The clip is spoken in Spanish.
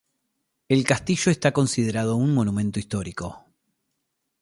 El castillo está considerado un monumento histórico.